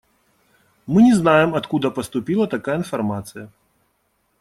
Мы не знаем, откуда поступила такая информация.